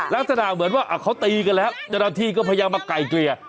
ลักษณะเหมือนว่าเขาตีกันแล้วเจ้าหน้าที่ก็พยายามมาไกลเกลี่ย